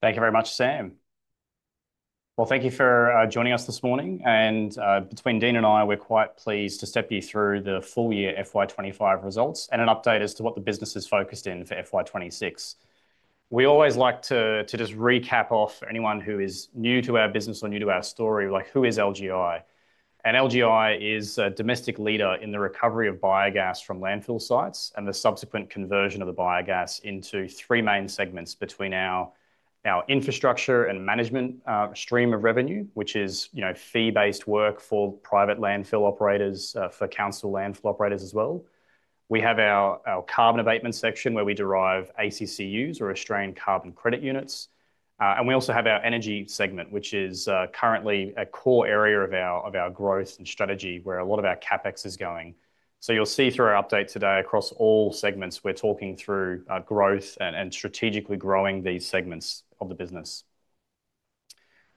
Thank you very much, Sam. Thank you for joining us this morning. Between Dean and I, we're quite pleased to step you through the full year FY25 results and an update as to what the business is focused in for FY26. We always like to just recap for anyone who is new to our business or new to our story, like who is LGI? LGI is a domestic leader in the recovery of biogas from landfill sites and the subsequent conversion of the biogas into three main segments between our infrastructure and management stream of revenue, which is fee-based work for private landfill operators, for council landfill operators as well. We have our carbon abatement section where we derive ACCUs, or Australian Carbon Credit Units. We also have our energy segment, which is currently a core area of our growth and strategy where a lot of our CapEx is going. You'll see through our update today across all segments, we're talking through growth and strategically growing these segments of the business.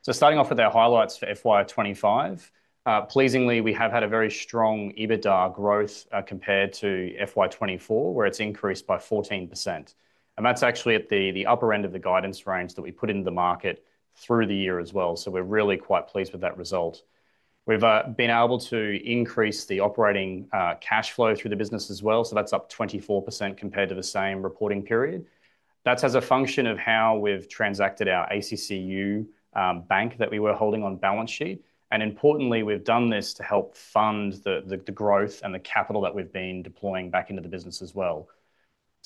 Starting off with our highlights for FY25, pleasingly, we have had a very strong EBITDA growth compared to FY24, where it's increased by 14%. That's actually at the upper end of the guidance range that we put into the market through the year as well. We're really quite pleased with that result. We've been able to increase the operating cash flow through the business as well. That's up 24% compared to the same reporting period. That's as a function of how we've transacted our ACCU bank that we were holding on balance sheet. Importantly, we've done this to help fund the growth and the capital that we've been deploying back into the business as well.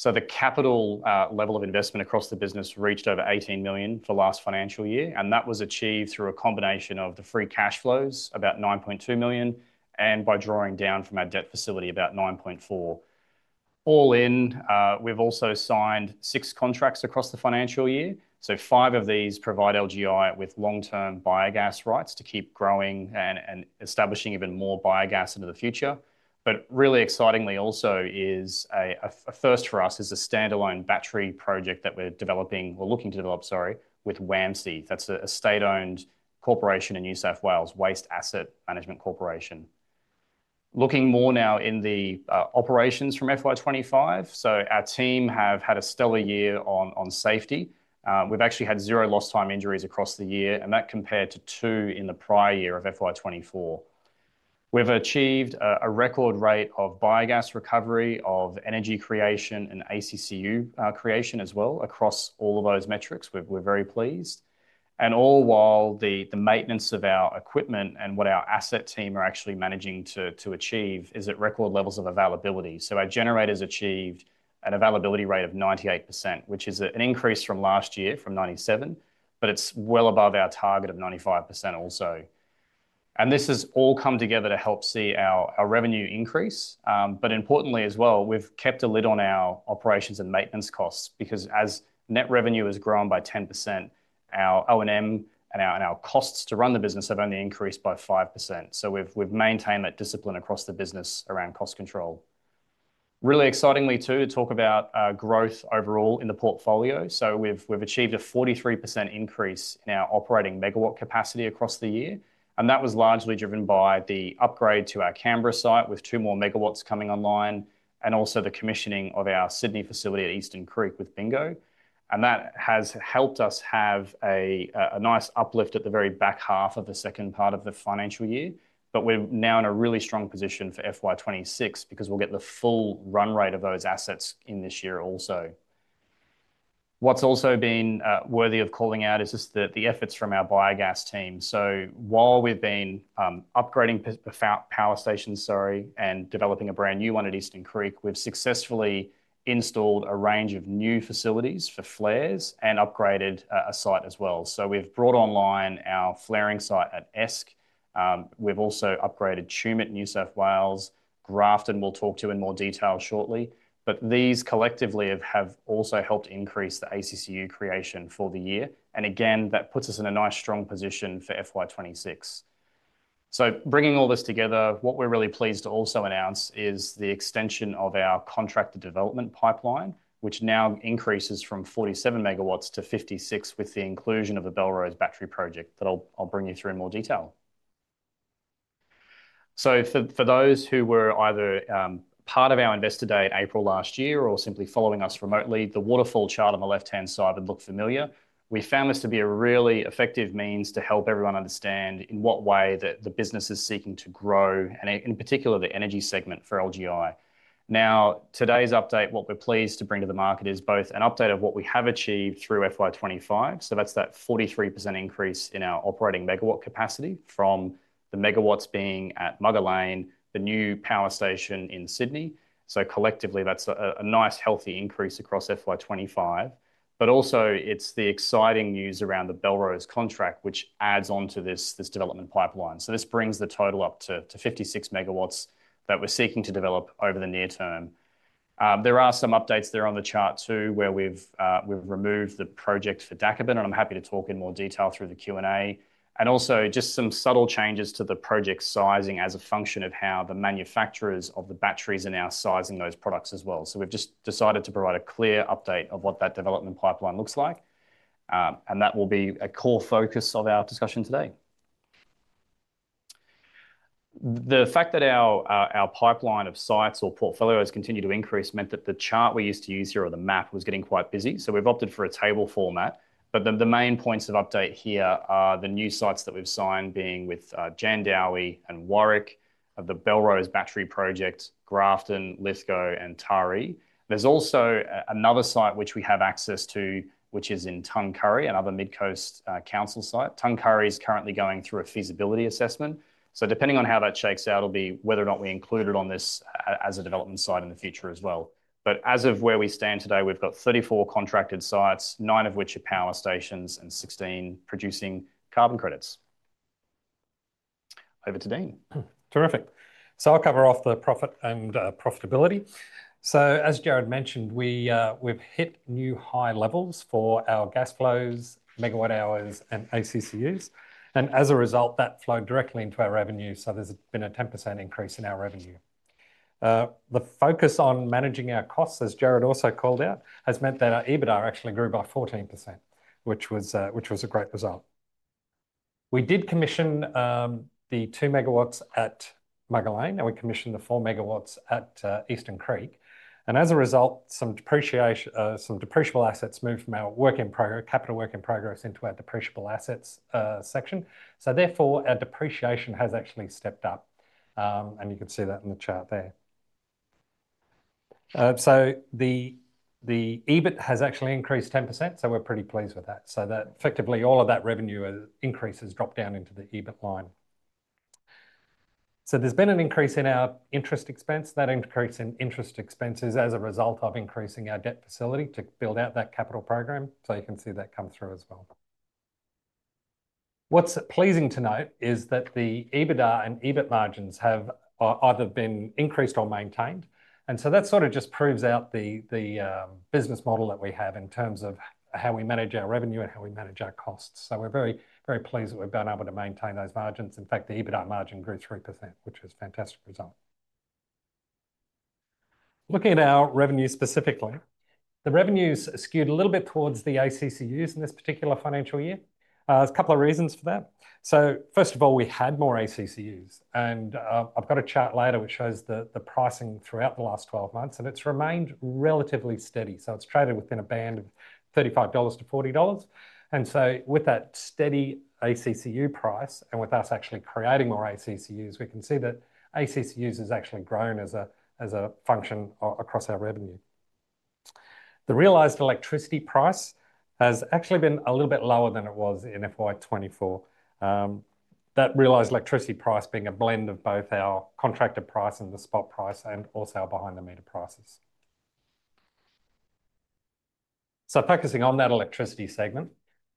The capital level of investment across the business reached over $18 million for last financial year. That was achieved through a combination of the free cash flows, about $9.2 million, and by drawing down from our debt facility, about $9.4 million. All in, we've also signed six contracts across the financial year. Five of these provide LGI with long-term biogas rights to keep growing and establishing even more biogas into the future. Really excitingly also is a first for us, a standalone battery project that we're looking to develop with Waste Asset Management Corporation, that's a state-owned corporation in New South Wales. Looking more now in the operations from FY25, our team have had a stellar year on safety. We've actually had zero lost time injuries across the year, and that compared to two in the prior year of FY2024. We've achieved a record rate of biogas recovery, of energy creation, and ACCU creation as well across all of those metrics. We're very pleased. All while the maintenance of our equipment and what our asset team are actually managing to achieve is at record levels of availability. Our generators achieved an availability rate of 98%, which is an increase from last year from 97%. It's well above our target of 95% also. This has all come together to help see our revenue increase. Importantly as well, we've kept a lid on our operations and maintenance costs because as net revenue has grown by 10%, our O&M and our costs to run the business have only increased by 5%. We've maintained that discipline across the business around cost control. Really excitingly to talk about growth overall in the portfolio, we've achieved a 43% increase in our operating MW capacity across the year. That was largely driven by the upgrade to our Canberra site with two more MW coming online, and also the commissioning of our Sydney facility at Eastern Creek with Bingo. That has helped us have a nice uplift at the very back half of the second part of the financial year. We're now in a really strong position for FY2026 because we'll get the full run rate of those assets in this year also. What's also been worthy of calling out is just the efforts from our biogas team. While we've been upgrading power stations and developing a brand new one at Eastern Creek, we've successfully installed a range of new facilities for flares and upgraded a site as well. We've brought online our flaring site at ESC. We've also upgraded Tumut, New South Wales, Grafton, we'll talk to in more detail shortly. These collectively have also helped increase the ACCU creation for the year. Again, that puts us in a nice strong position for FY2026. Bringing all this together, what we're really pleased to also announce is the extension of our contracted development pipeline, which now increases from 47 MW to 56 with the inclusion of the Bellrose Battery Project that I'll bring you through in more detail. For those who were either part of our Investor Day in April last year or simply following us remotely, the waterfall chart on the left-hand side would look familiar. We found this to be a really effective means to help everyone understand in what way the business is seeking to grow, and in particular, the energy segment for LGI. Today's update, what we're pleased to bring to the market is both an update of what we have achieved through FY2025. That's that 43% increase in our operating MW capacity from the MW being at Mugger Lane, the new power station in Sydney. Collectively, that's a nice healthy increase across FY2025. It's the exciting news around the Bellrose contract, which adds on to this development pipeline. This brings the total up to 56 MW that we're seeking to develop over the near term. There are some updates there on the chart too, where we've removed the project for Dakaben, and I'm happy to talk in more detail through the Q&A. There are also just some subtle changes to the project sizing as a function of how the manufacturers of the batteries are now sizing those products as well. We've just decided to provide a clear update of what that development pipeline looks like. That will be a core focus of our discussion today. The fact that our pipeline of sites or portfolios continue to increase meant that the chart we used to use here or the map was getting quite busy. We've opted for a table format. The main points of update here are the new sites that we've signed being with Jandaoe and Warwick, the Bellrose Battery Project, Grafton, Lithgow, and Taree. There's also another site which we have access to, which is in Tongkurrie, another Midcoast council site. Tongkurrie is currently going through a feasibility assessment. Depending on how that shakes out, it'll be whether or not we include it on this as a development site in the future as well. As of where we stand today, we've got 34 contracted sites, nine of which are power stations and 16 producing carbon credits. Over to Dean. Terrific. I'll cover off the profit and profitability. As Jarryd mentioned, we've hit new high levels for our gas flows, MW hours, and ACCUs. As a result, that flowed directly into our revenue. There's been a 10% increase in our revenue. The focus on managing our costs, as Jared also called out, has meant that our EBITDA actually grew by 14%, which was a great result. We did commission the two MW at Mugger Lane, and we commissioned the four MW at Eastern Creek. As a result, some depreciable assets moved from our work in progress, capital work in progress, into our depreciable assets section. Therefore, our depreciation has actually stepped up. You can see that in the chart there. The EBIT has actually increased 10%. We're pretty pleased with that. That effectively means all of that revenue increase has dropped down into the EBIT line. There's been an increase in our interest expense. That increase in interest expense is as a result of increasing our debt facility to build out that capital program. You can see that come through as well. What's pleasing to note is that the EBITDA and EBIT margins have either been increased or maintained. That just proves out the business model that we have in terms of how we manage our revenue and how we manage our costs. We're very, very pleased that we've been able to maintain those margins. In fact, the EBITDA margin grew 3%, which is a fantastic result. Looking at our revenue specifically, the revenue skewed a little bit towards the ACCUs in this particular financial year. There are a couple of reasons for that. First of all, we had more ACCUs. I've got a chart later which shows the pricing throughout the last 12 months, and it's remained relatively steady. It's traded within a band of $35-$40. With that steady ACCU price and with us actually creating more ACCUs, we can see that ACCUs has actually grown as a function across our revenue. The realized electricity price has actually been a little bit lower than it was in FY2024. That realized electricity price being a blend of both our contracted price and the spot price and also our behind-the-meter prices. Focusing on that electricity segment,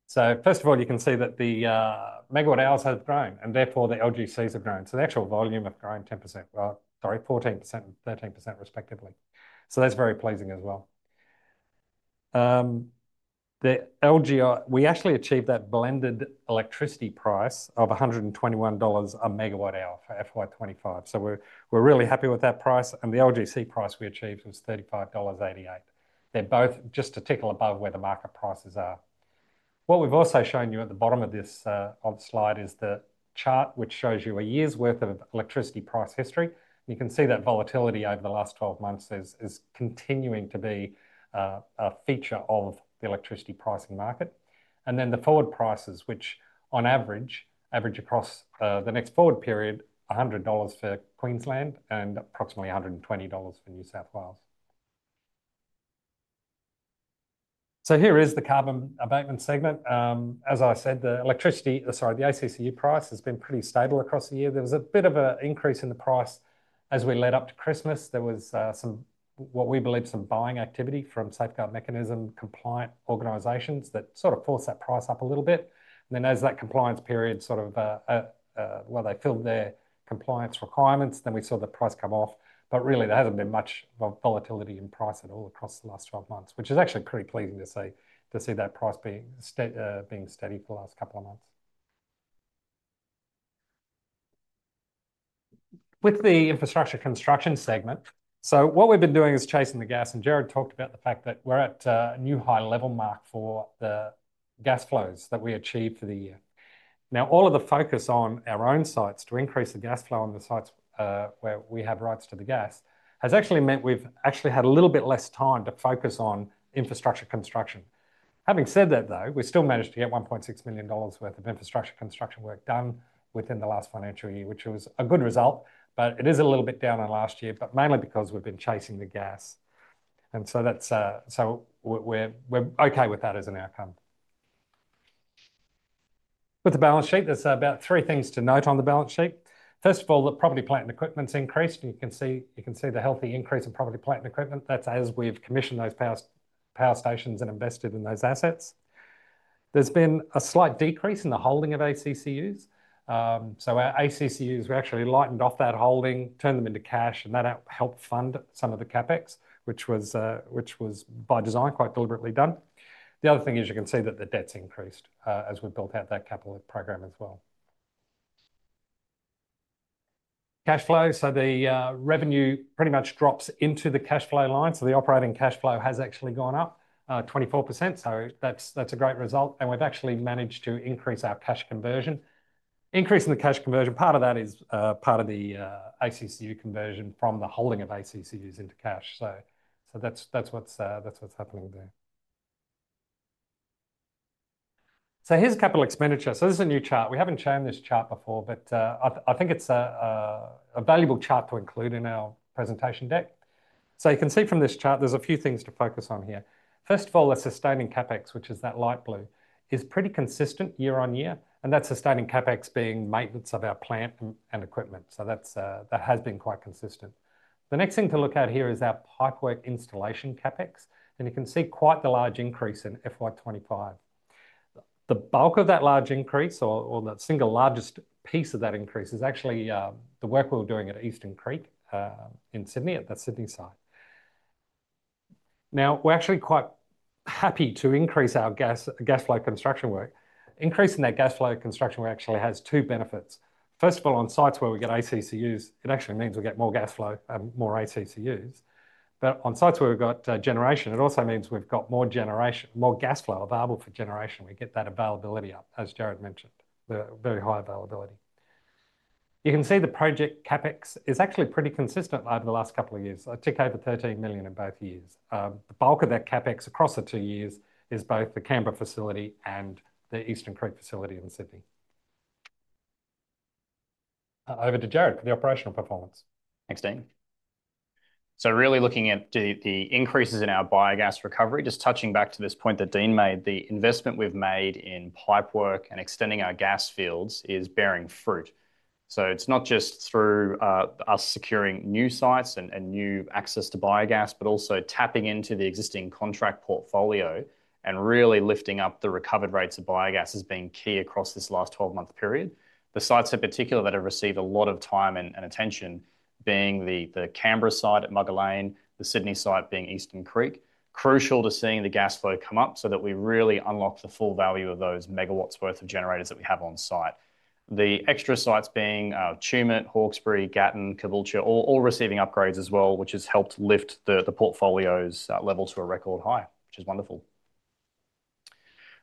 first of all, you can see that the MW hours have grown and therefore the LGCs have grown. The actual volume has grown 10%, sorry, 14% and 13% respectively. That's very pleasing as well. We actually achieved that blended electricity price of $121 a MW hour for FY25. We're really happy with that price. The LGC price we achieved was $35.88. They're both just a tickle above where the market prices are. What we've also shown you at the bottom of this slide is the chart which shows you a year's worth of electricity price history. You can see that volatility over the last 12 months is continuing to be a feature of the electricity pricing market. The forward prices, which on average, average across the next forward period, $100 for Queensland and approximately $120 for New South Wales. Here is the carbon abatement segment. As I said, the electricity, sorry, the ACCU price has been pretty stable across the year. There was a bit of an increase in the price as we led up to Christmas. There was some, what we believe, some buying activity from safeguard mechanism compliant organizations that sort of forced that price up a little bit. As that compliance period sort of, well, they filled their compliance requirements, we saw the price come off. There hasn't been much volatility in price at all across the last 12 months, which is actually pretty pleasing to see, to see that price being steady for the last couple of months. With the infrastructure construction segment, what we've been doing is chasing the gas. Jared talked about the fact that we're at a new high level mark for the gas flows that we achieved for the year. All of the focus on our own sites to increase the gas flow on the sites where we have rights to the gas has actually meant we've actually had a little bit less time to focus on infrastructure construction. Having said that, we still managed to get $1.6 million worth of infrastructure construction work done within the last financial year, which was a good result. It is a little bit down on last year, but mainly because we've been chasing the gas. We're okay with that as an outcome. With the balance sheet, there's about three things to note on the balance sheet. First of all, the property, plant, and equipment's increased. You can see the healthy increase in property, plant, and equipment. That's as we've commissioned those power stations and invested in those assets. There's been a slight decrease in the holding of ACCUs. Our ACCUs, we actually lightened off that holding, turned them into cash, and that helped fund some of the CapEx, which was by design quite deliberately done. The other thing is you can see that the debt's increased as we've built out that capital program as well. Cash flow, the revenue pretty much drops into the cash flow line. The operating cash flow has actually gone up 24%. That's a great result. We've actually managed to increase our cash conversion. Increasing the cash conversion, part of that is part of the ACCU conversion from the holding of ACCUs into cash. That's what's happening there. Here's capital expenditure. This is a new chart. We haven't shown this chart before, but I think it's a valuable chart to include in our presentation deck. You can see from this chart, there's a few things to focus on here. First of all, the sustaining CapEx, which is that light blue, is pretty consistent year on year. That sustaining CapEx being maintenance of our plant and equipment. That has been quite consistent. The next thing to look at here is our pipework installation CapEx. You can see quite the large increase in FY2025. The bulk of that large increase, or the single largest piece of that increase, is actually the work we were doing at Eastern Creek in Sydney at the Sydney site. We're actually quite happy to increase our gas flow construction work. Increasing that gas flow construction work actually has two benefits. First of all, on sites where we get ACCUs, it actually means we get more gas flow and more ACCUs. On sites where we've got generation, it also means we've got more generation, more gas flow available for generation. We get that availability up, as Jared mentioned, the very high availability. You can see the project CapEx is actually pretty consistent over the last couple of years. It took over $13 million in both years. The bulk of that CapEx across the two years is both the Canberra facility and the Eastern Creek facility in Sydney. Over to Jared for the operational performance. Thanks, Dean. Really looking at the increases in our biogas recovery, just touching back to this point that Dean made, the investment we've made in pipework and extending our gas fields is bearing fruit. It's not just through us securing new sites and new access to biogas, but also tapping into the existing contract portfolio and really lifting up the recovered rates of biogas as being key across this last 12-month period. The sites in particular that have received a lot of time and attention, being the Canberra site at Mugger Lane, the Sydney site being Eastern Creek, are crucial to seeing the gas flow come up so that we really unlock the full value of those MW worth of generators that we have on site. The extra sites being Tumut, Hawkesbury, Gatton, Coventry, all receiving upgrades as well, which has helped lift the portfolio's level to a record high, which is wonderful.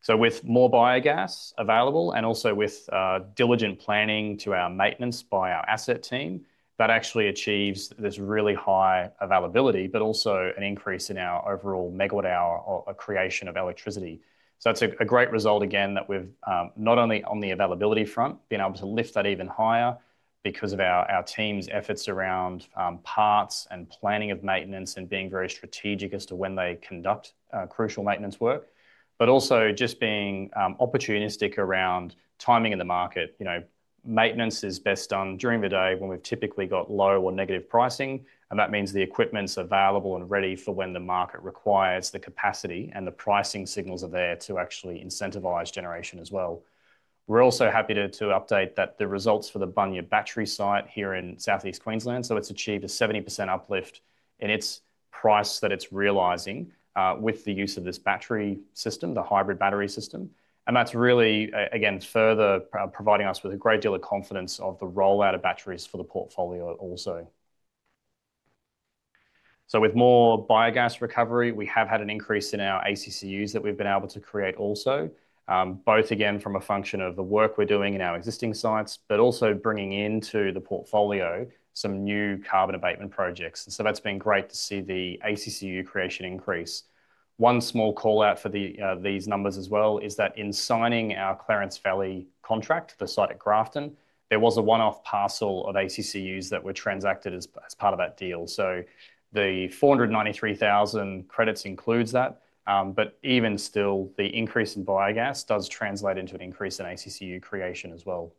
With more biogas available and also with diligent planning to our maintenance by our asset team, that actually achieves this really high availability, but also an increase in our overall MW hour creation of electricity. That's a great result again that we've not only on the availability front been able to lift that even higher because of our team's efforts around parts and planning of maintenance and being very strategic as to when they conduct crucial maintenance work, but also just being opportunistic around timing in the market. Maintenance is best done during the day when we've typically got low or negative pricing. That means the equipment's available and ready for when the market requires the capacity and the pricing signals are there to actually incentivize generation as well. We're also happy to update that the results for the Bunyear Battery site here in Southeast Queensland. It's achieved a 70% uplift in its price that it's realizing with the use of this battery system, the hybrid battery system. That's really, again, further providing us with a great deal of confidence of the rollout of batteries for the portfolio also. With more biogas recovery, we have had an increase in our ACCUs that we've been able to create also, both again from a function of the work we're doing in our existing sites, but also bringing into the portfolio some new carbon abatement projects. That's been great to see the ACCU creation increase. One small call out for these numbers as well is that in signing our Clarence Valley contract, the site at Grafton, there was a one-off parcel of Australian Carbon Credit Units (ACCUs) that were transacted as part of that deal. The 493,000 credits includes that. Even still, the increase in biogas does translate into an increase in ACCU creation as well.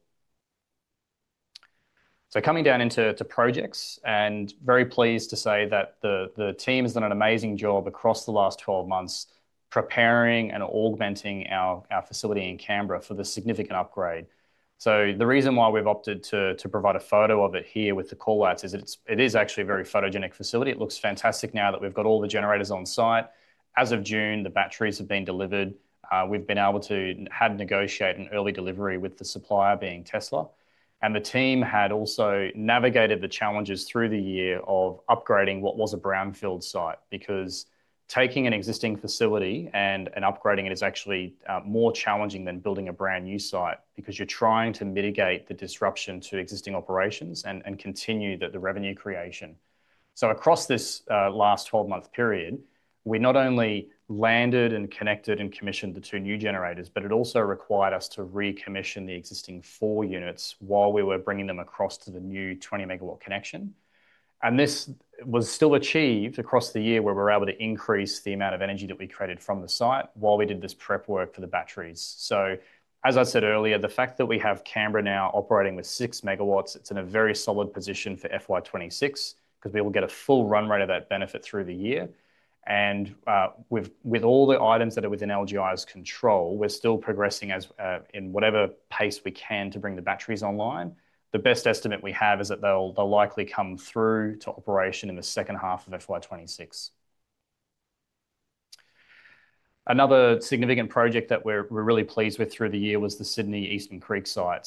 Coming down into projects, very pleased to say that the team's done an amazing job across the last 12 months preparing and augmenting our facility in Canberra for the significant upgrade. The reason why we've opted to provide a photo of it here with the call out is it is actually a very photogenic facility. It looks fantastic now that we've got all the generators on site. As of June, the batteries have been delivered. We've been able to negotiate an early delivery with the supplier being Tesla. The team had also navigated the challenges through the year of upgrading what was a brownfield site because taking an existing facility and upgrading it is actually more challenging than building a brand new site because you're trying to mitigate the disruption to existing operations and continue the revenue creation. Across this last 12-month period, we not only landed and connected and commissioned the two new generators, but it also required us to recommission the existing four units while we were bringing them across to the new 20 MW connection. This was still achieved across the year where we were able to increase the amount of energy that we created from the site while we did this prep work for the batteries. As I said earlier, the fact that we have Canberra now operating with six MW, it's in a very solid position for FY2026 because we will get a full run rate of that benefit through the year. With all the items that are within LGI Limited's control, we're still progressing in whatever pace we can to bring the batteries online. The best estimate we have is that they'll likely come through to operation in the second half of FY2026. Another significant project that we're really pleased with through the year was the Sydney Eastern Creek site.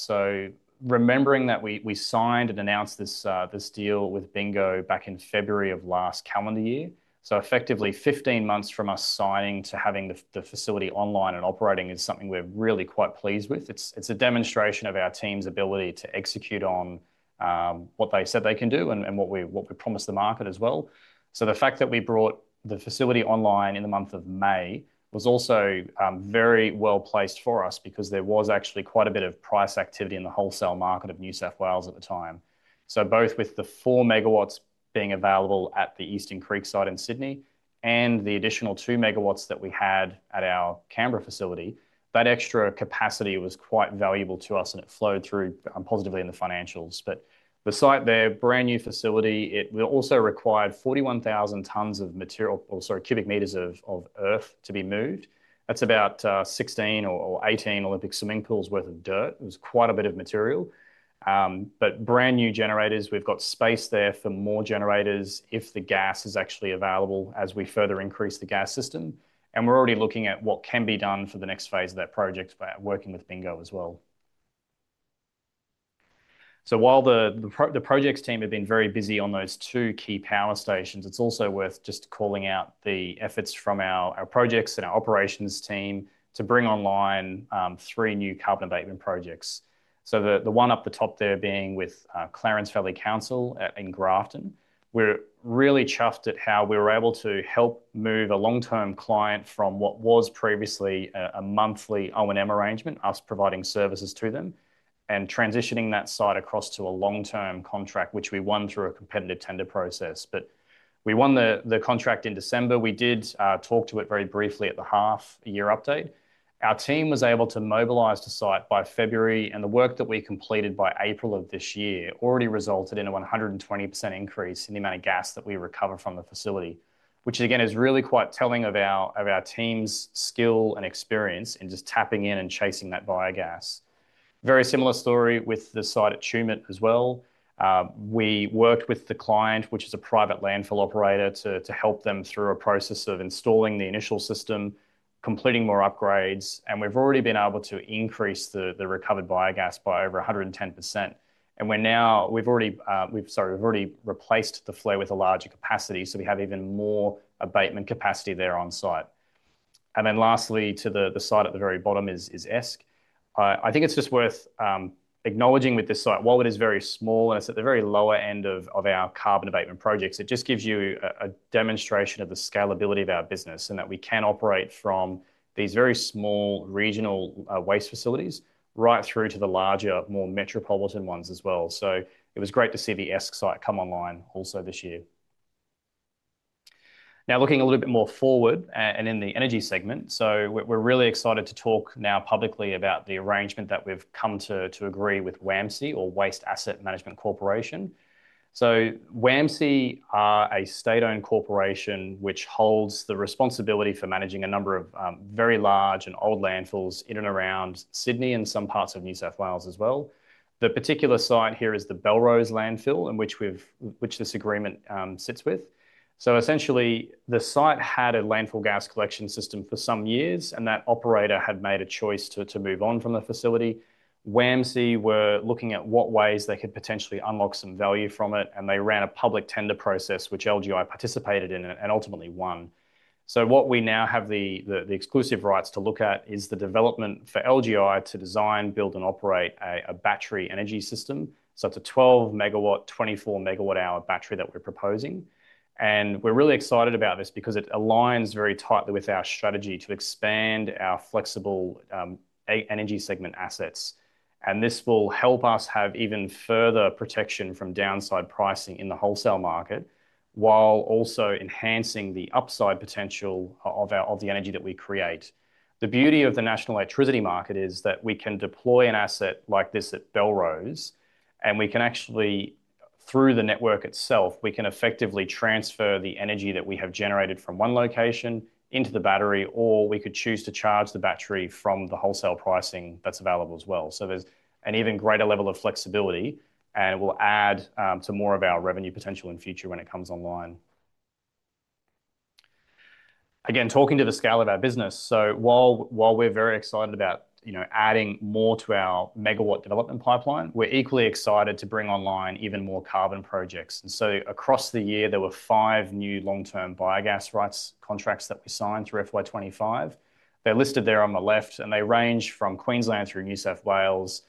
Remembering that we signed and announced this deal with Bingo back in February of last calendar year, effectively 15 months from us signing to having the facility online and operating is something we're really quite pleased with. It's a demonstration of our team's ability to execute on what they said they can do and what we promised the market as well. The fact that we brought the facility online in the month of May was also very well placed for us because there was actually quite a bit of price activity in the wholesale market of New South Wales at the time. Both with the four MW being available at the Eastern Creek site in Sydney and the additional two MW that we had at our Canberra facility, that extra capacity was quite valuable to us and it flowed through positively in the financials. The site there, brand new facility, also required 41,000 cubic meters of earth to be moved. That's about 16 or 18 Olympic swimming pools' worth of dirt. It was quite a bit of material. Brand new generators, we've got space there for more generators if the gas is actually available as we further increase the gas system. We're already looking at what can be done for the next phase of that project by working with Bingo as well. While the projects team have been very busy on those two key power stations, it's also worth just calling out the efforts from our projects and our operations team to bring online three new carbon abatement projects. The one up the top there being with Clarence Valley Council in Grafton, we're really chuffed at how we were able to help move a long-term client from what was previously a monthly O&M arrangement, us providing services to them, and transitioning that site across to a long-term contract, which we won through a competitive tender process. We won the contract in December. We did talk to it very briefly at the half-year update. Our team was able to mobilize the site by February, and the work that we completed by April of this year already resulted in a 120% increase in the amount of gas that we recovered from the facility, which again is really quite telling of our team's skill and experience in just tapping in and chasing that biogas. Very similar story with the site at Tumut as well. We worked with the client, which is a private landfill operator, to help them through a process of installing the initial system, completing more upgrades, and we've already been able to increase the recovered biogas by over 110%. We've already replaced the flare with a larger capacity. We have even more abatement capacity there on site. Lastly, to the site at the very bottom is ESC. I think it's just worth acknowledging with this site, while it is very small and it's at the very lower end of our carbon abatement projects, it just gives you a demonstration of the scalability of our business and that we can operate from these very small regional waste facilities right through to the larger, more metropolitan ones as well. It was great to see the ESC site come online also this year. Now looking a little bit more forward and in the energy segment, we're really excited to talk now publicly about the arrangement that we've come to agree with Waste Asset Management Corporation, or WAMC. WAMC are a state-owned corporation which holds the responsibility for managing a number of very large and old landfills in and around Sydney and some parts of New South Wales as well. The particular site here is the Bellrose landfill in which this agreement sits with. Essentially, the site had a landfill gas collection system for some years, and that operator had made a choice to move on from the facility. WAMC were looking at what ways they could potentially unlock some value from it, and they ran a public tender process which LGI participated in and ultimately won. What we now have the exclusive rights to look at is the development for LGI to design, build, and operate a battery energy system. That's a 12 MW, 24 MW hour battery that we're proposing. We're really excited about this because it aligns very tightly with our strategy to expand our flexible energy segment assets. This will help us have even further protection from downside pricing in the wholesale market while also enhancing the upside potential of the energy that we create. The beauty of the national electricity market is that we can deploy an asset like this at Bellrose, and we can actually, through the network itself, effectively transfer the energy that we have generated from one location into the battery, or we could choose to charge the battery from the wholesale pricing that's available as well. There's an even greater level of flexibility, and it will add to more of our revenue potential in the future when it comes online. Again, talking to the scale of our business, while we're very excited about adding more to our MW development pipeline, we're equally excited to bring online even more carbon projects. Across the year, there were five new long-term biogas rights contracts that we signed through FY25. They're listed there on the left, and they range from Queensland through New South Wales.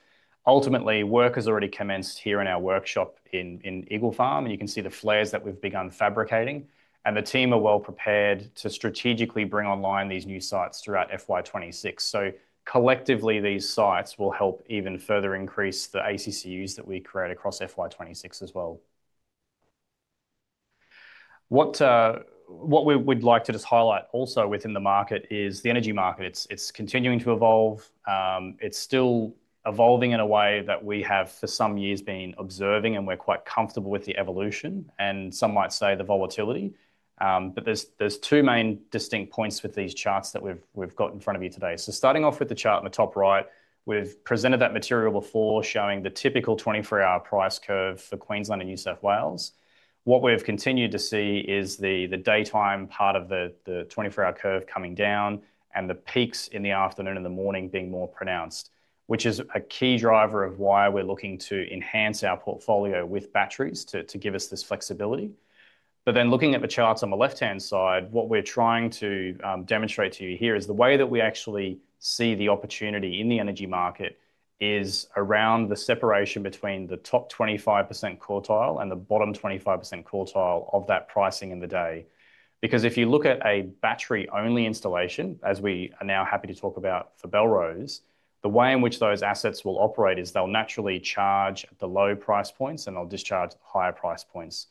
Ultimately, work has already commenced here in our workshop in Eagle Farm, and you can see the flares that we've begun fabricating. The team are well prepared to strategically bring online these new sites throughout FY26. Collectively, these sites will help even further increase the ACCUs that we create across FY26 as well. What we'd like to just highlight also within the market is the energy market. It's continuing to evolve. It's still evolving in a way that we have for some years been observing, and we're quite comfortable with the evolution, and some might say the volatility. There are two main distinct points with these charts that we've got in front of you today. Starting off with the chart in the top right, we've presented that material before showing the typical 24-hour price curve for Queensland and New South Wales. What we've continued to see is the daytime part of the 24-hour curve coming down and the peaks in the afternoon and the morning being more pronounced, which is a key driver of why we're looking to enhance our portfolio with batteries to give us this flexibility. Looking at the charts on the left-hand side, what we're trying to demonstrate to you here is the way that we actually see the opportunity in the energy market is around the separation between the top 25% quartile and the bottom 25% quartile of that pricing in the day. If you look at a battery-only installation, as we are now happy to talk about for Bellrose, the way in which those assets will operate is they'll naturally charge at the low price points and they'll discharge at the higher price points.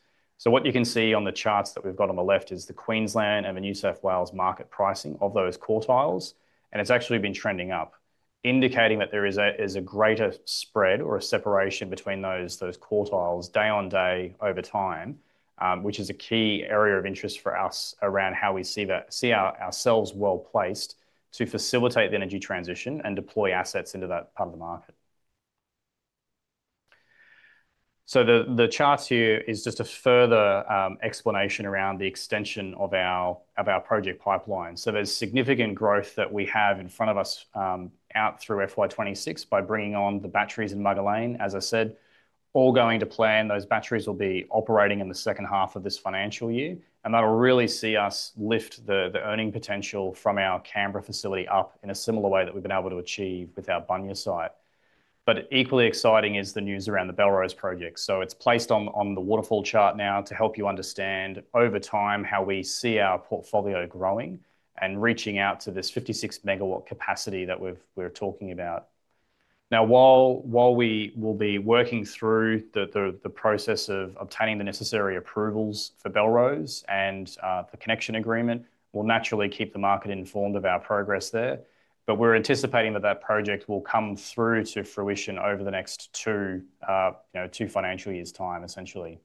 What you can see on the charts that we've got on the left is the Queensland and the New South Wales market pricing of those quartiles, and it's actually been trending up, indicating that there is a greater spread or a separation between those quartiles day on day over time, which is a key area of interest for us around how we see ourselves well placed to facilitate the energy transition and deploy assets into that part of the market. The chart here is just a further explanation around the extension of our project pipeline. There's significant growth that we have in front of us out through FY26 by bringing on the batteries in Mugger Lane. As I said, all going to plan, those batteries will be operating in the second half of this financial year, and that will really see us lift the earning potential from our Canberra facility up in a similar way that we've been able to achieve with our Bunyear site. Equally exciting is the news around the Bellrose project. It is placed on the waterfall chart now to help you understand over time how we see our portfolio growing and reaching out to this 56 MW capacity that we're talking about. While we will be working through the process of obtaining the necessary approvals for Bellrose and the connection agreement, we'll naturally keep the market informed of our progress there. We're anticipating that that project will come through to fruition over the next two financial years' time, essentially.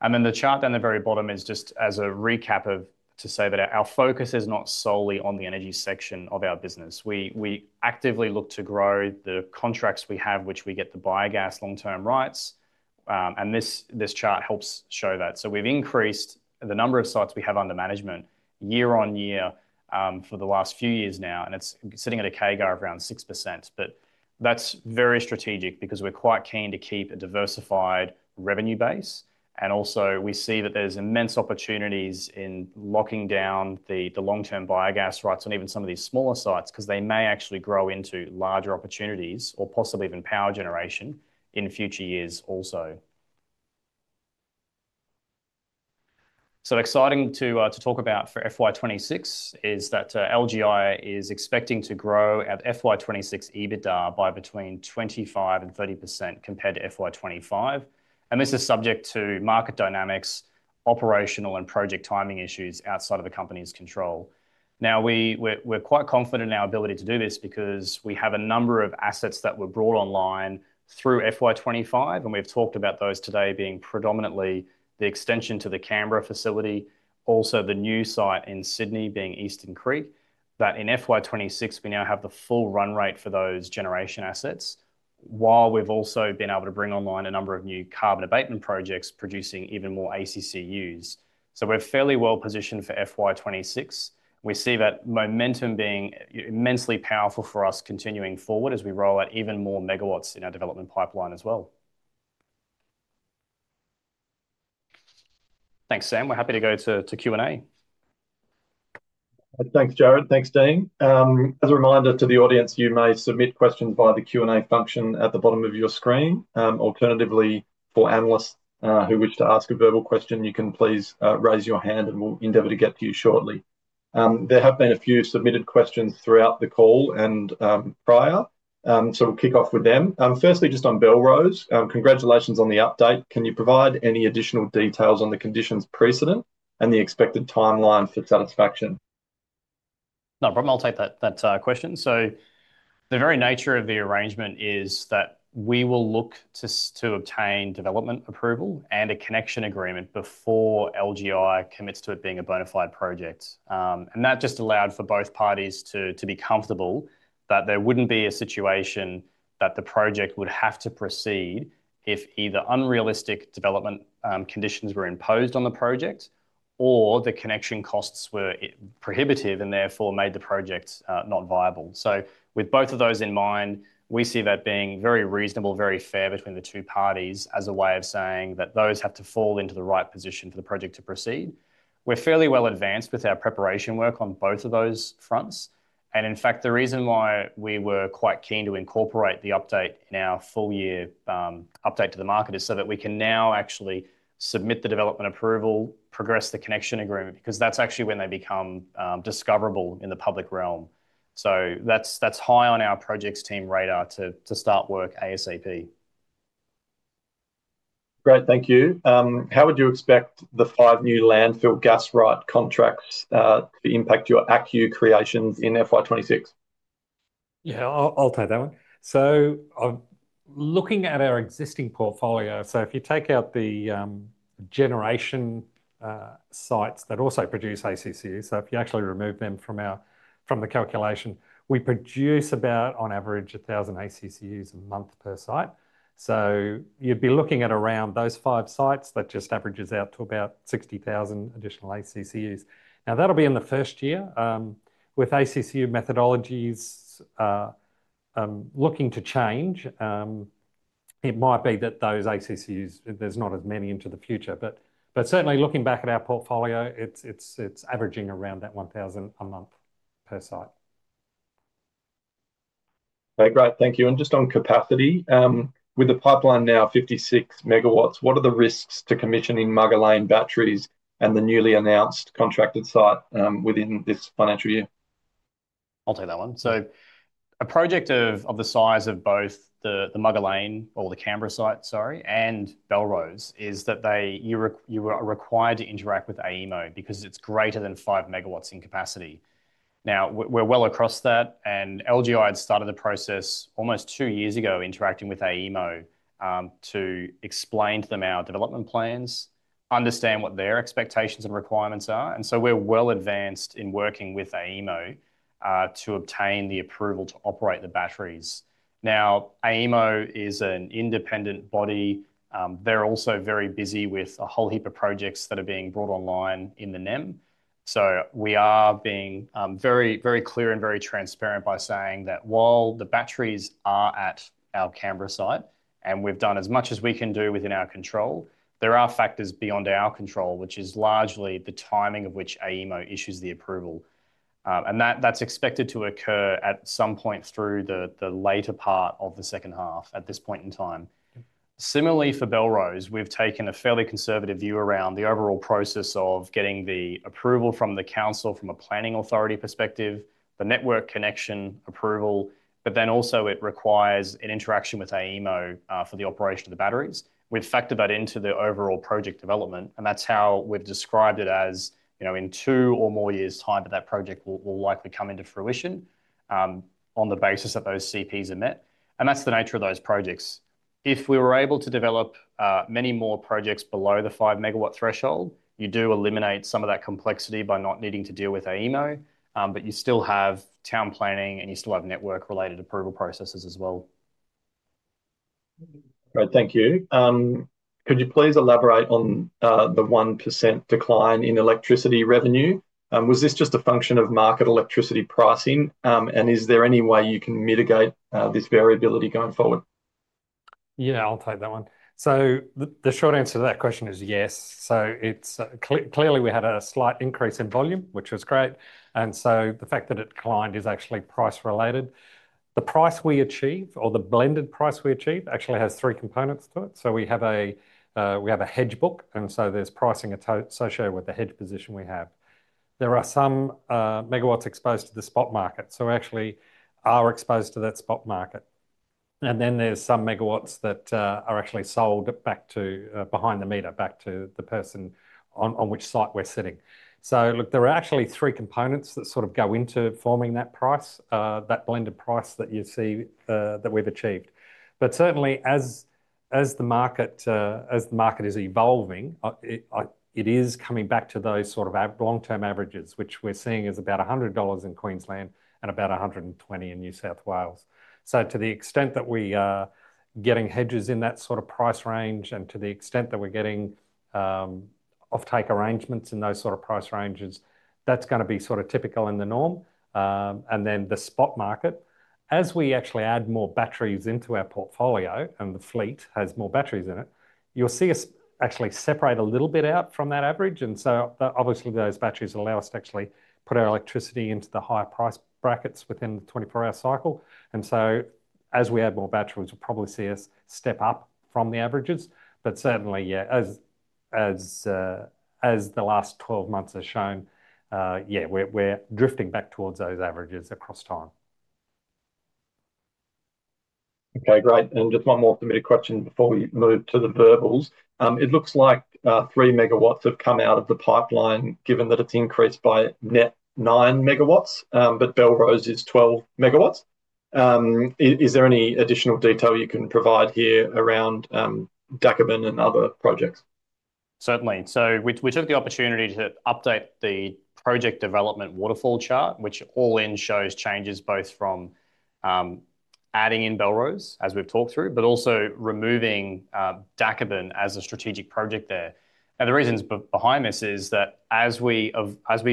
The chart down the very bottom is just as a recap to say that our focus is not solely on the energy section of our business. We actively look to grow the contracts we have, which we get the biogas long-term rights. This chart helps show that. We've increased the number of sites we have under management year on year for the last few years now, and it's sitting at a CAGR of around 6%. That's very strategic because we're quite keen to keep a diversified revenue base. We see that there's immense opportunities in locking down the long-term biogas rights on even some of these smaller sites because they may actually grow into larger opportunities or possibly even power generation in future years also. Exciting to talk about for FY26 is that LGI is expecting to grow at FY26 EBITDA by between 25% and 30% compared to FY25. This is subject to market dynamics, operational, and project timing issues outside of the company's control. We're quite confident in our ability to do this because we have a number of assets that were brought online through FY25, and we've talked about those today being predominantly the extension to the Canberra facility, also the new site in Sydney being Eastern Creek, that in FY26, we now have the full run rate for those generation assets, while we've also been able to bring online a number of new carbon abatement projects producing even more ACCUs. We're fairly well positioned for FY26. We see that momentum being immensely powerful for us continuing forward as we roll out even more MW in our development pipeline as well. Thanks, Sam. We're happy to go to Q&A. Thanks, Jarryd. Thanks, Dean. As a reminder to the audience, you may submit questions via the Q&A function at the bottom of your screen. Alternatively, for analysts who wish to ask a verbal question, you can please raise your hand and we'll endeavor to get to you shortly. There have been a few submitted questions throughout the call and prior, so we'll kick off with them. Firstly, just on Bellrose, congratulations on the update. Can you provide any additional details on the conditions precedent and the expected timeline for satisfaction? No problem. I'll take that question. The very nature of the arrangement is that we will look to obtain development approval and a connection agreement before LGI commits to it being a bona fide project. That just allowed for both parties to be comfortable that there wouldn't be a situation that the project would have to proceed if either unrealistic development conditions were imposed on the project or the connection costs were prohibitive and therefore made the project not viable. With both of those in mind, we see that being very reasonable, very fair between the two parties as a way of saying that those had to fall into the right position for the project to proceed. We're fairly well advanced with our preparation work on both of those fronts. In fact, the reason why we were quite keen to incorporate the update in our full year update to the market is so that we can now actually submit the development approval, progress the connection agreement because that's actually when they become discoverable in the public realm. That's high on our projects team radar to start work ASAP. Great, thank you. How would you expect the five new landfill gas rights contracts to impact your ACCU creations in FY2026? Yeah, I'll take that one. Looking at our existing portfolio, if you take out the generation sites that also produce ACCUs, if you actually remove them from the calculation, we produce about on average 1,000 ACCUs a month per site. You'd be looking at around those five sites that just averages out to about 60,000 additional ACCUs. That'll be in the first year. With ACCU methodologies looking to change, it might be that those ACCUs, there's not as many into the future. Certainly looking back at our portfolio, it's averaging around that 1,000 a month per site. Okay, great, thank you. Just on capacity, with the pipeline now 56 MW, what are the risks to commissioning Mugger Lane batteries and the newly announced contracted site within this financial year? I'll take that one. A project of the size of both the Mugger Lane, or the Canberra site, sorry, and Bellrose is that you are required to interact with AEMO because it's greater than 5 MW in capacity. We're well across that, and LGI had started the process almost two years ago interacting with AEMO to explain to them our development plans, understand what their expectations and requirements are. We're well advanced in working with AEMO to obtain the approval to operate the batteries. AEMO is an independent body. They're also very busy with a whole heap of projects that are being brought online in the NEM. We are being very, very clear and very transparent by saying that while the batteries are at our Canberra site and we've done as much as we can do within our control, there are factors beyond our control, which is largely the timing of which AEMO issues the approval. That's expected to occur at some point through the later part of the second half at this point in time. Similarly, for Bellrose, we've taken a fairly conservative view around the overall process of getting the approval from the council, from a planning authority perspective, the network connection approval, but then also it requires an interaction with AEMO for the operation of the batteries. We've factored that into the overall project development, and that's how we've described it as, you know, in two or more years' time that that project will likely come into fruition on the basis that those CPs are met. That's the nature of those projects. If we were able to develop many more projects below the 5 MW threshold, you do eliminate some of that complexity by not needing to deal with AEMO, but you still have town planning and you still have network-related approval processes as well. Great, thank you. Could you please elaborate on the 1% decline in electricity revenue? Was this just a function of market electricity pricing? Is there any way you can mitigate this variability going forward? Yeah, I'll take that one. The short answer to that question is yes. Clearly, we had a slight increase in volume, which was great. The fact that it declined is actually price-related. The price we achieve, or the blended price we achieve, actually has three components to it. We have a hedge book, and there's pricing associated with the hedge position we have. There are some MW exposed to the spot market. We actually are exposed to that spot market. Then there's some MW that are actually sold back to behind the meter, back to the person on which site we're sitting. There are actually three components that go into forming that price, that blended price that you see that we've achieved. Certainly, as the market is evolving, it is coming back to those long-term averages, which we're seeing is about $100 in Queensland and about $120 in New South Wales. To the extent that we are getting hedges in that price range, and to the extent that we're getting off-take arrangements in those price ranges, that's going to be typical in the norm. The spot market, as we actually add more batteries into our portfolio and the fleet has more batteries in it, you'll see us actually separate a little bit out from that average. Obviously, those batteries allow us to actually put our electricity into the higher price brackets within the 24-hour cycle. As we add more batteries, we'll probably see us step up from the averages. Certainly, as the last 12 months have shown, we're drifting back towards those averages across time. Okay, great. Just one more submitted question before we move to the verbals. It looks like 3 MW have come out of the pipeline, given that it's increased by net 9 MW, but Bellrose is 12 MW. Is there any additional detail you can provide here around Dakaben and other projects? Certainly. We took the opportunity to update the project development waterfall chart, which all in shows changes both from adding in Bellrose, as we've talked through, but also removing Dakaben as a strategic project there. The reasons behind this are that as we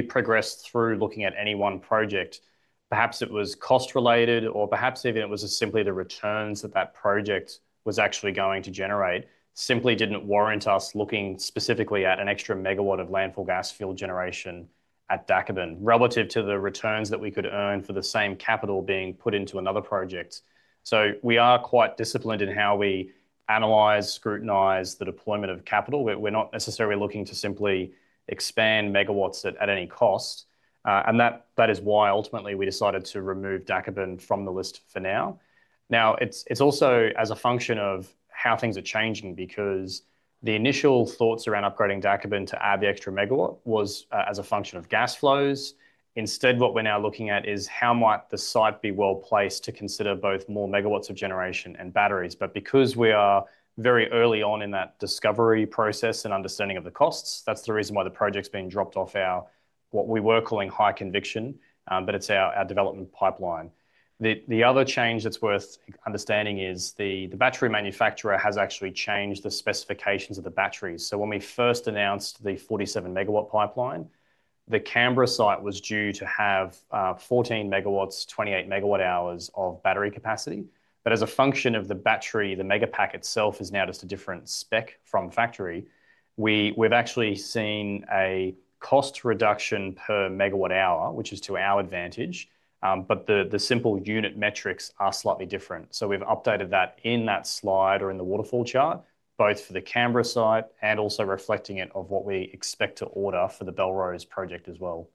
progressed through looking at any one project, perhaps it was cost-related or perhaps even it was simply the returns that that project was actually going to generate simply didn't warrant us looking specifically at an extra MW of landfill gas field generation at Dakaben relative to the returns that we could earn for the same capital being put into another project. We are quite disciplined in how we analyze, scrutinize the deployment of capital. We're not necessarily looking to simply expand MW at any cost. That is why ultimately we decided to remove Dakaben from the list for now. It's also as a function of how things are changing because the initial thoughts around upgrading Dakaben to add the extra MW was as a function of gas flows. Instead, what we're now looking at is how might the site be well placed to consider both more MW of generation and batteries. Because we are very early on in that discovery process and understanding of the costs, that's the reason why the project's being dropped off our, what we were calling high conviction, but it's our development pipeline. The other change that's worth understanding is the battery manufacturer has actually changed the specifications of the batteries. When we first announced the 47 MW pipeline, the Canberra site was due to have 14 MW, 28 MW hours of battery capacity. As a function of the battery, the megapack itself is now just a different spec from factory. We've actually seen a cost reduction per MW hour, which is to our advantage, but the simple unit metrics are slightly different. We've updated that in that slide or in the waterfall chart, both for the Canberra site and also reflecting it of what we expect to order for the Bellrose project as well.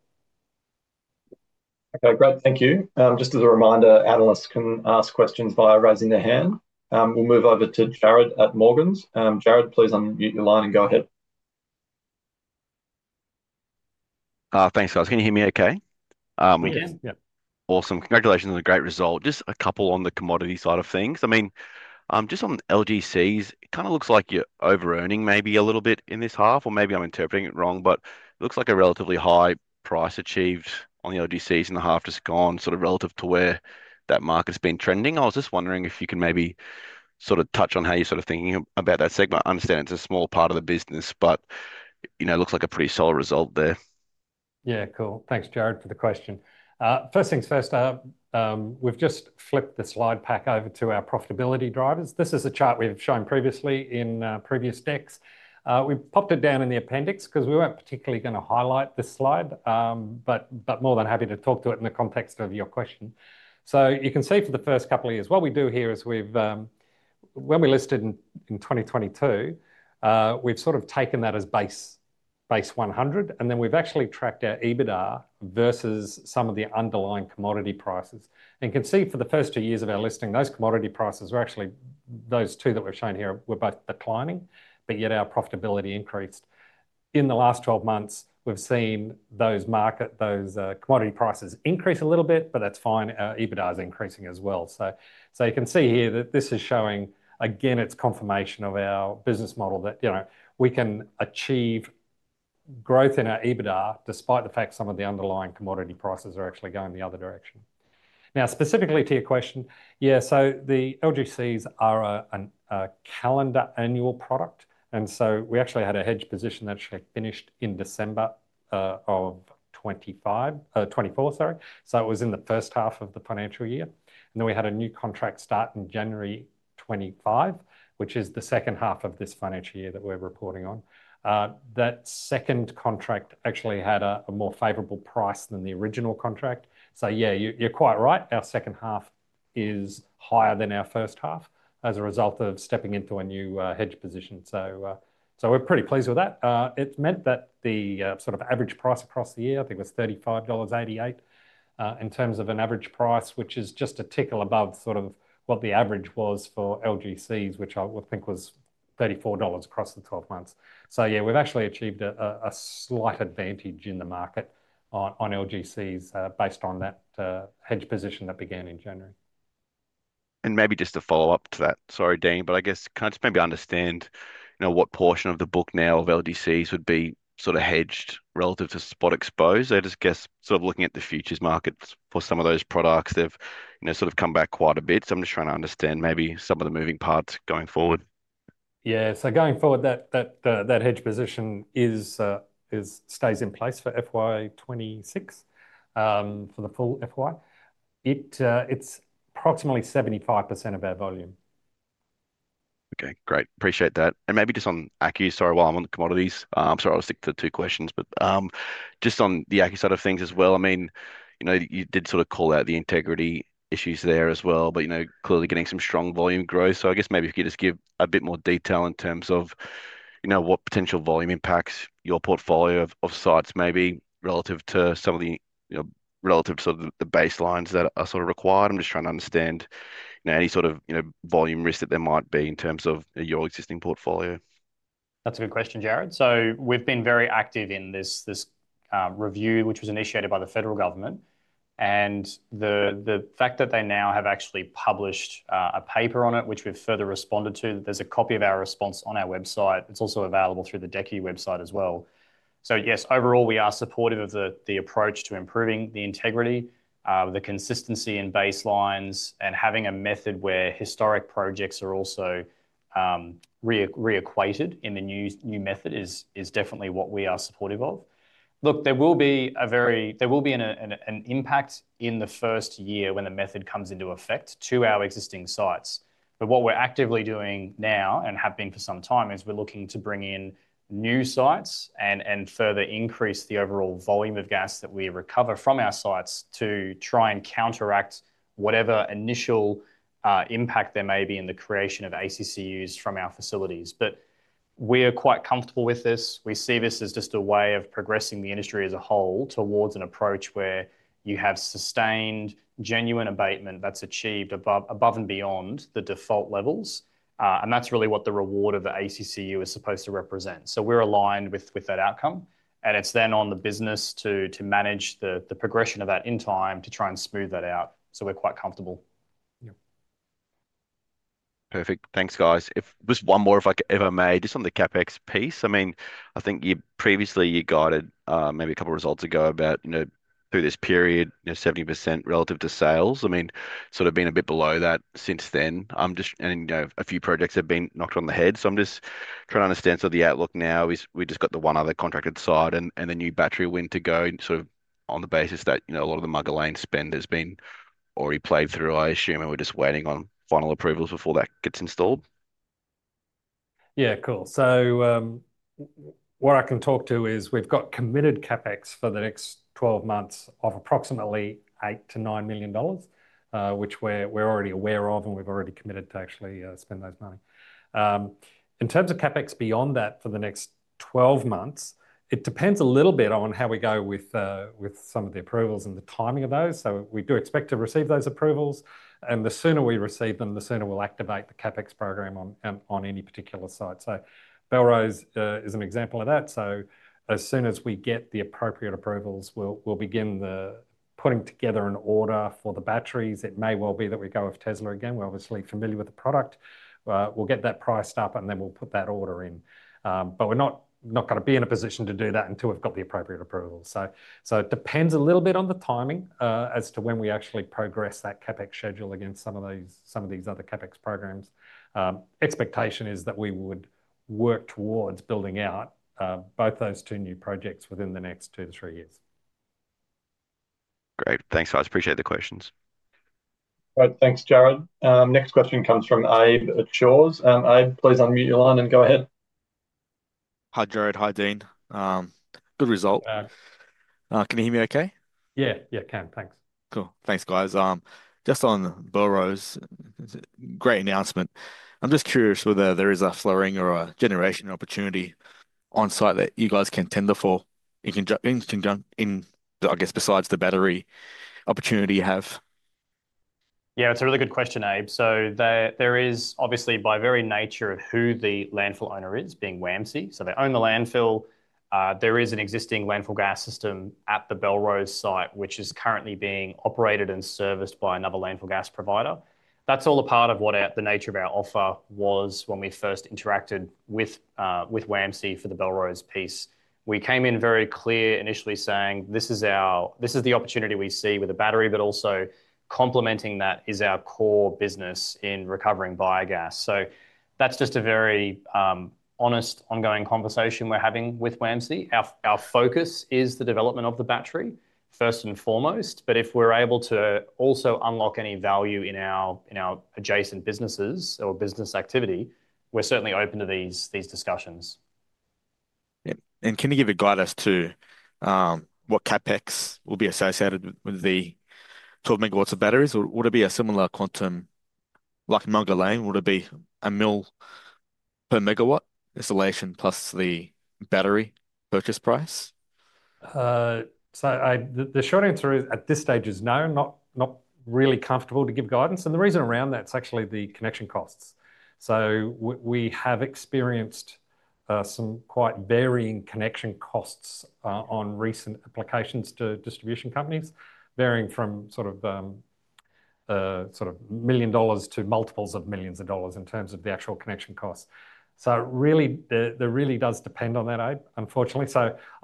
Okay, great, thank you. Just as a reminder, analysts can ask questions via raising their hand. We'll move over to Jared at Morgan's. Jared, please unmute your line and go ahead. Thanks, guys. Can you hear me okay? We can hear you. Awesome. Congratulations on a great result. Just a couple on the commodity side of things. I mean, just on LGCs, it kind of looks like you're over-earning maybe a little bit in this half, or maybe I'm interpreting it wrong, but it looks like a relatively high price achieved on the LGCs in the half just gone, sort of relative to where that market's been trending. I was just wondering if you can maybe sort of touch on how you're sort of thinking about that segment. I understand it's a small part of the business, but you know, it looks like a pretty solid result there. Yeah, cool. Thanks, Jared, for the question. First things first, we've just flipped the slide pack over to our profitability drivers. This is a chart we've shown previously in previous decks. We popped it down in the appendix because we weren't particularly going to highlight this slide, but more than happy to talk to it in the context of your question. You can see for the first couple of years, what we do here is when we listed in 2022, we've sort of taken that as base 100, and then we've actually tracked our EBITDA versus some of the underlying commodity prices. You can see for the first two years of our listing, those commodity prices were actually, those two that we've shown here were both declining, yet our profitability increased. In the last 12 months, we've seen those market, those commodity prices increase a little bit, but that's fine. Our EBITDA is increasing as well. You can see here that this is showing, again, it's confirmation of our business model that, you know, we can achieve growth in our EBITDA despite the fact some of the underlying commodity prices are actually going the other direction. Now, specifically to your question, yeah, the LGCs are a calendar annual product. We actually had a hedge position that finished in December 2024, sorry. It was in the first half of the financial year. We had a new contract start in January 2025, which is the second half of this financial year that we're reporting on. That second contract actually had a more favorable price than the original contract. Yeah, you're quite right. Our second half is higher than our first half as a result of stepping into a new hedge position. We're pretty pleased with that. It meant that the sort of average price across the year, I think, was $35.88 in terms of an average price, which is just a tickle above sort of what the average was for LGCs, which I think was $34 across the 12 months. We've actually achieved a slight advantage in the market on LGCs based on that hedge position that began in January. Maybe just to follow up to that, sorry, Dean, but I guess, can I just maybe understand what portion of the book now of LGCs would be sort of hedged relative to spot exposed? I just guess sort of looking at the futures markets for some of those products, they've sort of come back quite a bit. I'm just trying to understand maybe some of the moving parts going forward. Yeah, going forward, that hedge position stays in place for FY2026 for the full FY. It's approximately 75% of our volume. Okay, great. Appreciate that. Maybe just on ACCU, sorry, while I'm on the commodities, I'll stick to the two questions, but just on the ACCU side of things as well, you did sort of call out the integrity issues there as well, but clearly getting some strong volume growth. I guess maybe if you could just give a bit more detail in terms of what potential volume impacts your portfolio of sites, maybe relative to some of the relative sort of the baselines that are sort of required. I'm just trying to understand any sort of volume risk that there might be in terms of your existing portfolio. That's a good question, Jared. We've been very active in this review, which was initiated by the federal government. The fact that they now have actually published a paper on it, which we've further responded to, there's a copy of our response on our website. It's also available through the DECU website as well. Yes, overall, we are supportive of the approach to improving the integrity, the consistency in baselines, and having a method where historic projects are also re-equated in the new method is definitely what we are supportive of. There will be an impact in the first year when the method comes into effect to our existing sites. What we're actively doing now and have been for some time is we're looking to bring in new sites and further increase the overall volume of gas that we recover from our sites to try and counteract whatever initial impact there may be in the creation of ACCUs from our facilities. We are quite comfortable with this. We see this as just a way of progressing the industry as a whole towards an approach where you have sustained genuine abatement that's achieved above and beyond the default levels. That's really what the reward of the ACCU is supposed to represent. We're aligned with that outcome. It's then on the business to manage the progression of that in time to try and smooth that out. We're quite comfortable. Perfect. Thanks, guys. Just one more, if I could, just on the CapEx piece. I mean, I think previously you got it maybe a couple of results ago about through this period, you know, 70% relative to sales. I mean, sort of been a bit below that since then. I'm just, and you know, a few projects have been knocked on the head. I'm just trying to understand sort of the outlook now. We've just got the one other contracted site and the new battery wind to go. On the basis that, you know, a lot of the Mugger Lane spend has been already played through, I assume, and we're just waiting on final approvals before that gets installed. Yeah, cool. What I can talk to is we've got committed CapEx for the next 12 months of approximately $8 to $9 million, which we're already aware of, and we've already committed to actually spend those money. In terms of CapEx beyond that for the next 12 months, it depends a little bit on how we go with some of the approvals and the timing of those. We do expect to receive those approvals, and the sooner we receive them, the sooner we'll activate the CapEx program on any particular site. Bellrose is an example of that. As soon as we get the appropriate approvals, we'll begin putting together an order for the batteries. It may well be that we go with Tesla again. We're obviously familiar with the product. We'll get that priced up, and then we'll put that order in. We're not going to be in a position to do that until we've got the appropriate approvals. It depends a little bit on the timing as to when we actually progress that CapEx schedule against some of these other CapEx programs. The expectation is that we would work towards building out both those two new projects within the next two to three years. Great. Thanks, guys. Appreciate the questions. All right, thanks, Jared. Next question comes from Abe at Jaws. Abe, please unmute your line and go ahead. Hi, Jared. Hi, Dean. Good result. Can you hear me okay? Yeah, I can. Thanks. Cool. Thanks, guys. Just on Bellrose, great announcement. I'm just curious whether there is a flowing or a generation opportunity on site that you guys can tender for in conjunction, I guess, besides the battery opportunity you have. Yeah, it's a really good question, Abe. There is obviously, by very nature, who the landfill owner is, being Waste Asset Management Corporation. They own the landfill. There is an existing landfill gas system at the Bellrose site, which is currently being operated and serviced by another landfill gas provider. That's all a part of what the nature of our offer was when we first interacted with Waste Asset Management Corporation for the Bellrose piece. We came in very clear initially saying, this is the opportunity we see with the battery, but also complementing that is our core business in recovering biogas. That's just a very honest ongoing conversation we're having with Waste Asset Management Corporation. Our focus is the development of the battery first and foremost, but if we're able to also unlock any value in our adjacent businesses or business activity, we're certainly open to these discussions. Can you give a guide as to what CapEx will be associated with the 12 MW of batteries? Would it be a similar quantum like Mugger Lane? Would it be $1 million per MW installation plus the battery purchase price? The short answer is at this stage is no, not really comfortable to give guidance. The reason around that is actually the connection costs. We have experienced some quite varying connection costs on recent applications to distribution companies, varying from sort of $1 million to multiples of millions of dollars in terms of the actual connection costs. It really does depend on that, Abe, unfortunately.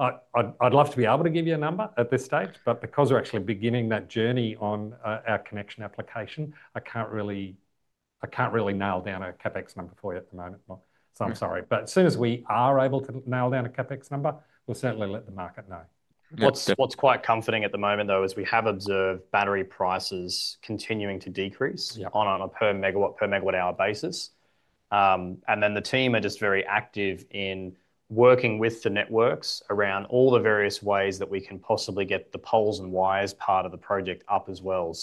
I'd love to be able to give you a number at this stage, but because we're actually beginning that journey on our connection application, I can't really nail down a CapEx number for you at the moment. I'm sorry, but as soon as we are able to nail down a CapEx number, we'll certainly let the market know. What's quite comforting at the moment, though, is we have observed battery prices continuing to decrease on a per MW, per MW hour basis. The team are just very active in working with the networks around all the various ways that we can possibly get the poles and wires part of the project up as well.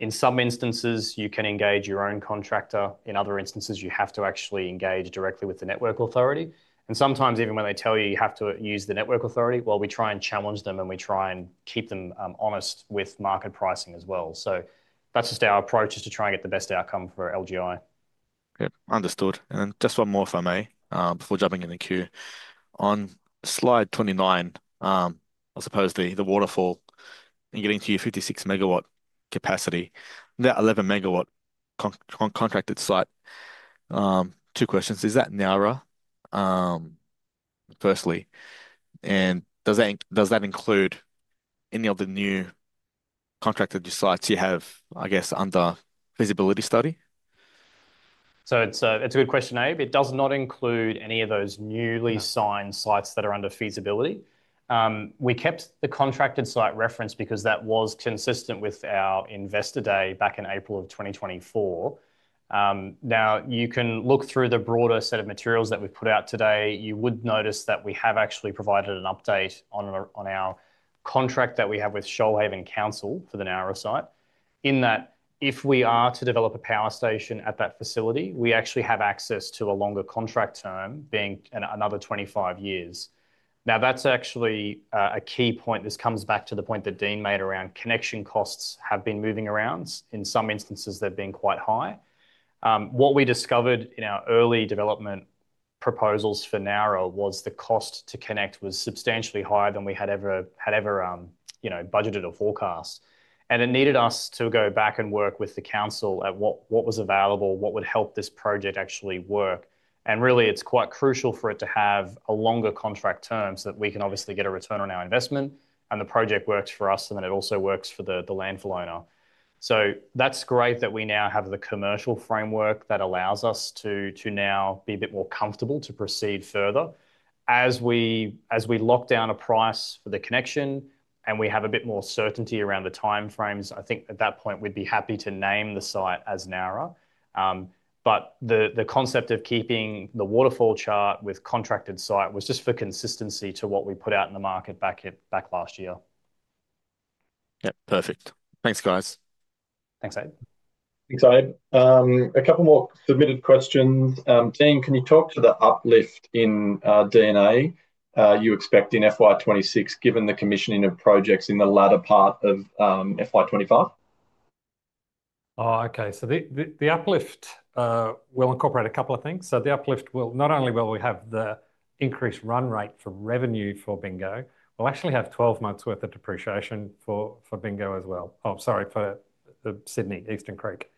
In some instances, you can engage your own contractor. In other instances, you have to actually engage directly with the network authority. Sometimes even when they tell you you have to use the network authority, we try and challenge them and we try and keep them honest with market pricing as well. That's just our approach, to try and get the best outcome for LGI. Okay, understood. Just one more if I may, before jumping in the queue, on slide 29, I suppose the waterfall and getting to your 56 MW capacity, that 11 MW contracted site, two questions. Is that narrow, firstly, and does that include any of the new contracted sites you have, I guess, under feasibility study? It's a good question, Abe. It does not include any of those newly signed sites that are under feasibility. We kept the contracted site reference because that was consistent with our investor day back in April of 2024. You can look through the broader set of materials that we've put out today. You would notice that we have actually provided an update on our contract that we have with Shoalhaven Council for the Narrow site, in that if we are to develop a power station at that facility, we actually have access to a longer contract term, being another 25 years. That's actually a key point. This comes back to the point that Dean Wilkinson made around connection costs have been moving around. In some instances, they've been quite high. What we discovered in our early development proposals for Narrow was the cost to connect was substantially higher than we had ever budgeted or forecast. It needed us to go back and work with the council at what was available, what would help this project actually work. It's quite crucial for it to have a longer contract term so that we can obviously get a return on our investment and the project works for us and that it also works for the landfill owner. It's great that we now have the commercial framework that allows us to now be a bit more comfortable to proceed further. As we lock down a price for the connection and we have a bit more certainty around the timeframes, I think at that point we'd be happy to name the site as Narrow. The concept of keeping the waterfall chart with contracted site was just for consistency to what we put out in the market back last year. Yeah, perfect. Thanks, guys. Thanks, Abe. Thanks, Abe. A couple more submitted questions. Dean, can you talk to the uplift in D&A you expect in FY2026, given the commissioning of projects in the latter part of FY2025? Okay, so the uplift will incorporate a couple of things. The uplift will not only be that we have the increased run rate for revenue for Bingo, we'll actually have 12 months' worth of depreciation for Bingo as well. Oh, sorry, for Sydney, Eastern Creek.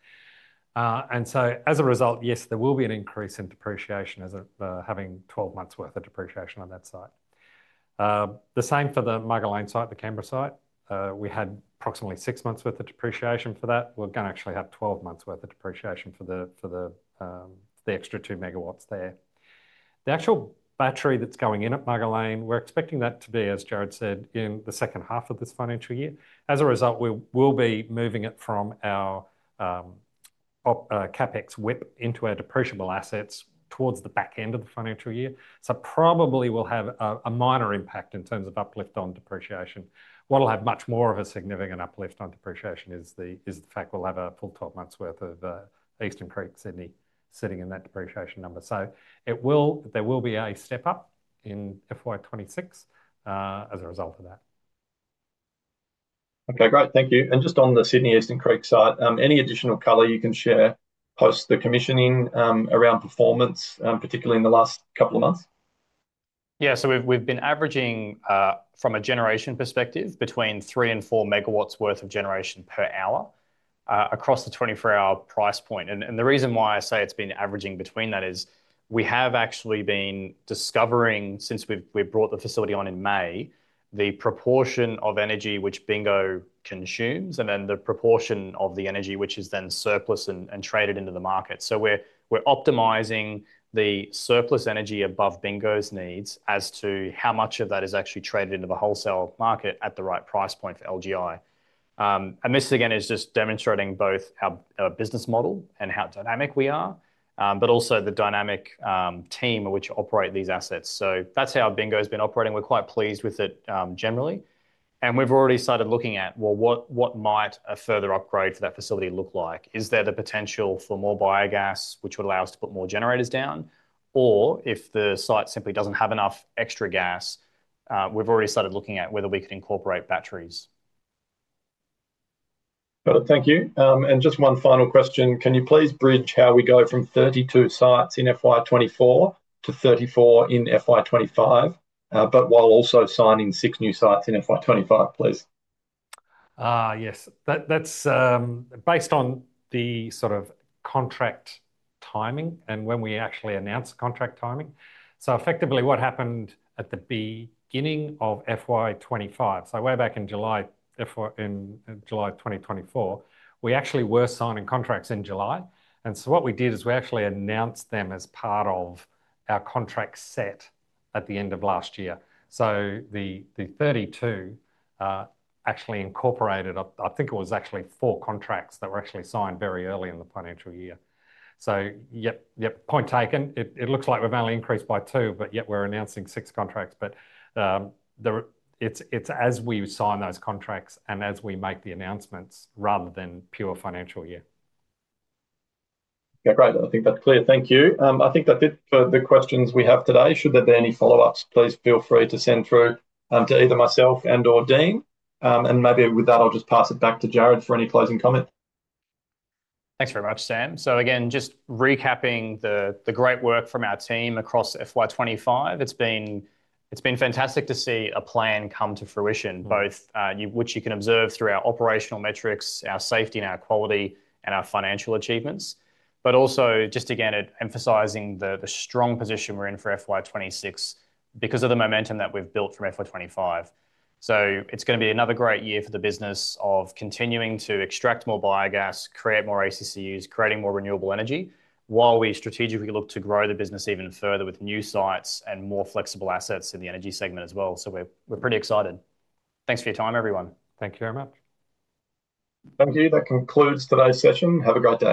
As a result, yes, there will be an increase in depreciation as having 12 months' worth of depreciation on that site. The same for the Mugger Lane site, the Canberra site. We had approximately six months' worth of depreciation for that. We're going to actually have 12 months' worth of depreciation for the extra two MW there. The actual battery that's going in at Mugger Lane, we're expecting that to be, as Jared said, in the second half of this financial year. As a result, we will be moving it from our CapEx WIP into our depreciable assets towards the back end of the financial year. Probably we'll have a minor impact in terms of uplift on depreciation. What will have much more of a significant uplift on depreciation is the fact we'll have a full 12 months' worth of Eastern Creek, Sydney sitting in that depreciation number. There will be a step up in FY2026 as a result of that. Okay, great, thank you. Just on the Sydney, Eastern Creek site, any additional color you can share post the commissioning around performance, particularly in the last couple of months? Yeah, we've been averaging from a generation perspective between 3 and 4 MW' worth of generation per hour across the 24-hour price point. The reason why I say it's been averaging between that is we have actually been discovering, since we brought the facility on in May, the proportion of energy which Bingo consumes and then the proportion of the energy which is then surplus and traded into the market. We're optimizing the surplus energy above Bingo's needs as to how much of that is actually traded into the wholesale market at the right price point for LGI. This again is just demonstrating both our business model and how dynamic we are, but also the dynamic team which operate these assets. That's how Bingo's been operating. We're quite pleased with it generally. We've already started looking at what might a further upgrade to that facility look like. Is there the potential for more biogas, which would allow us to put more generators down? If the site simply doesn't have enough extra gas, we've already started looking at whether we could incorporate batteries. Thank you. Just one final question. Can you please bridge how we go from 32 sites in FY2024 to 34 in FY2025, while also signing six new sites in FY2025, please? Yes. That's based on the sort of contract timing and when we actually announced contract timing. Effectively, what happened at the beginning of FY25, way back in July of 2024, we actually were signing contracts in July. What we did is we actually announced them as part of our contract set at the end of last year. The 32 actually incorporated, I think it was actually four contracts that were actually signed very early in the financial year. Point taken. It looks like we've only increased by two, yet we're announcing six contracts. It's as we sign those contracts and as we make the announcements rather than pure financial year. Yeah, great. I think that's clear. Thank you. I think that's it for the questions we have today. Should there be any follow-ups, please feel free to send through to either myself or Dean. With that, I'll just pass it back to Jared for any closing comments. Thanks very much, Sam. Again, just recapping the great work from our team across FY2025. It's been fantastic to see a plan come to fruition, both which you can observe through our operational metrics, our safety and our quality, and our financial achievements. Also, just again emphasizing the strong position we're in for FY2026 because of the momentum that we've built from FY2025. It's going to be another great year for the business of continuing to extract more biogas, create more ACCUs, creating more renewable energy while we strategically look to grow the business even further with new sites and more flexible assets in the energy segment as well. We're pretty excited. Thanks for your time, everyone. Thank you very much. Thank you. That concludes today's session. Have a great day.